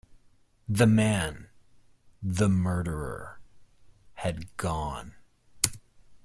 The man — the murderer — had gone.